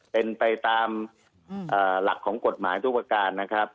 เป็นไปตามหลักของกฎหมายทุกประการนะครับ